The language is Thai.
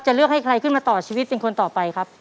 เลือกให้ใครขึ้นมาต่อชีวิตเป็นคนต่อไปครับ